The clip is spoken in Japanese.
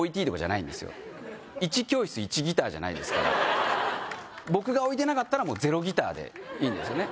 いち教室いちギターじゃないですから僕が置いてなかったらもうゼロギターでいいんですよね